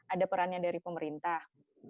ada perannya dari pemerintah